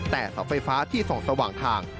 แต่เสาไฟฟ้าที่ส่องสว่างทาง